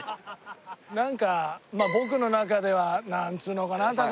なんかまあ僕の中ではなんつうのかな高橋。